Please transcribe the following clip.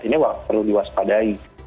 ini perlu diwaspadai